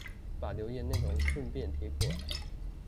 把留言內容順便貼過來